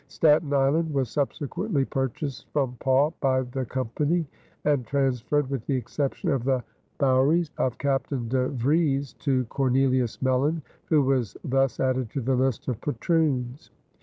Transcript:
Staten Island was subsequently purchased from Pauw by the Company and transferred (with the exception of the bouwerie of Captain De Vries) to Cornelis Melyn, who was thus added to the list of patroons.